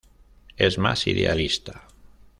Es más idealista.